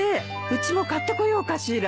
うちも買ってこようかしら。